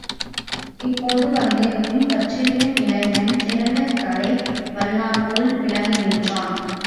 இப்போது வந்திருக்கும் தச்சுவினை இளைஞன், சிறந்த கலை வல்லான்போல் விளங்குகின்றான்.